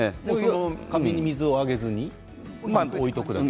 水をあげずに置いておくだけ？